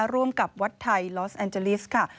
ร่วมกับวัดไทยลอสแอนเจลิสค่ะ